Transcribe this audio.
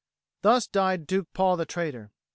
Thus died Duke Paul the traitor.